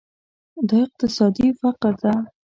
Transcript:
دا اقتصادي فقر ده.